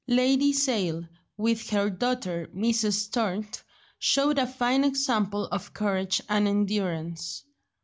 Lady Sale, with her daughter Mrs. Sturt, showed a fine example of courage and endurance.